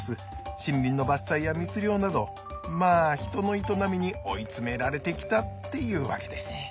森林の伐採や密猟などまあ人の営みに追い詰められてきたっていうわけです。